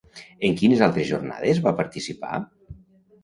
En quines altres jornades va participar?